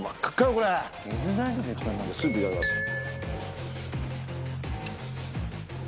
これスープいただきます